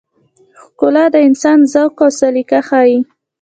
ښکلا د انسان ذوق او سلیقه ښيي.